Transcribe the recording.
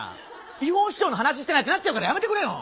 違法視聴の話してない？ってなっちゃうからやめてくれよ！